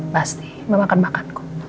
pasti mau makan makan kok